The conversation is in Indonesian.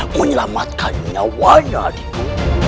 menyelamatkan nyawanya adikku